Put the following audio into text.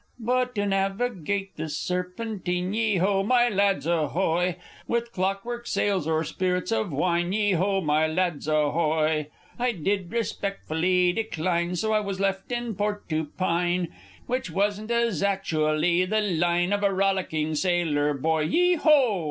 _ But to navigate the Serpentine, Yeo ho, my lads, ahoy! With clockwork, sails, or spirits of wine, Yeo ho, my lads, ahoy! I did respeckfully decline, So I was left in port to pine, Which wasn't azactually the line Of a rollicking Sailor Boy, Yeo ho!